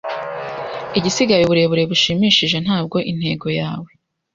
Igisigaye uburebure bushimishije ntabwo intego yawe